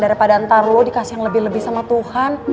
daripada ntar lu dikasih yang lebih lebih sama tuhan